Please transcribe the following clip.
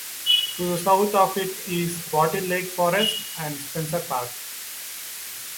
To the south of it is Bottle Lake Forest and Spencer Park.